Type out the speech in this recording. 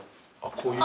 こういう。